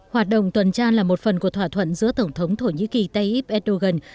hoạt động tuần tra là một phần của thỏa thuận giữa tổng thống thổ nhĩ kỳ tayyip erdogan